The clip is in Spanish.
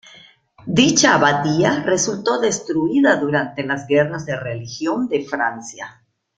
Dicha abadía resultó destruida durante las Guerras de religión de Francia.